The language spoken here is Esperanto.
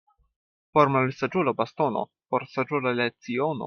Por malsaĝulo bastono — por saĝulo leciono.